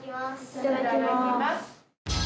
いただきます。